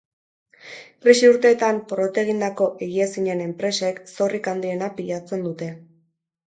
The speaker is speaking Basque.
Krisi urteetan porrot egindako higiezinen enpresek zorrik handiena pilatzen dute.